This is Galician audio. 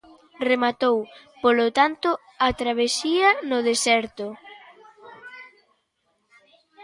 Rematou, polo tanto, a travesía no deserto?